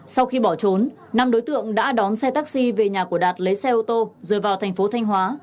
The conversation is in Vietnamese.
sau khi bỏ trốn năm đối tượng đã đón xe taxi về nhà của đạt lấy xe ô tô rồi vào thành phố thanh hóa